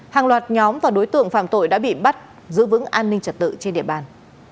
hàng loạt nhóm và đối tượng phạm tội đã bị bắt giữ vững an ninh trật tự trên địa bàn